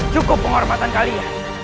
cukup penghormatan kalian